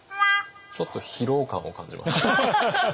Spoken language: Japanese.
ちょっと疲労感を感じます。